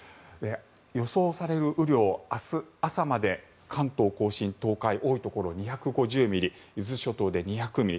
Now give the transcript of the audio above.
予想される雨量明日朝まで関東・甲信、東海多いところで２５０ミリ伊豆諸島で２００ミリ